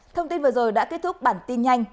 thông tin vừa rồi đã kết thúc bản tin nhanh